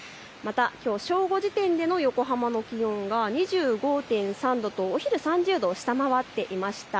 またきょう正午時点での横浜の気温が２５．３度と、お昼３０度を下回っていました。